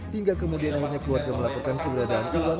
hingga kemudian akhirnya keluarga melakukan keberadaan iwan